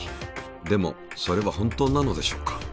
でもそれは本当なのでしょうか。